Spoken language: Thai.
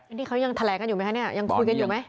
นี่เขายังแถลงกันอยู่ไหมคะเนี่ยยังคุยกันอยู่ไหม